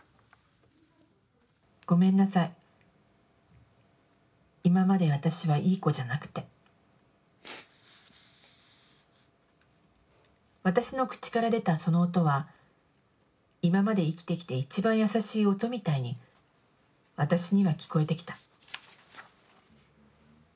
ごめんなさい、いままでわたしは、いい子じゃなくてわたしの口から出た、その音は、いままで生きてきて一番優しい音みたいに、わたしには聞こえてきた。